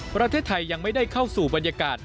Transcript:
ประเทศไทยยังไม่ได้เข้าสู่บรรยากาศ